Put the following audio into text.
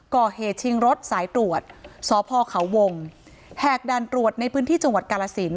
ก่อเหตุชิงรถสายตรวจสพเขาวงแหกด่านตรวจในพื้นที่จังหวัดกาลสิน